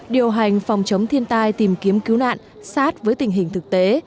điều hành phòng chống thiên tai tìm kiếm cứu nạn sát với tình hình thực tế